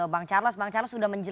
bapak terima kasih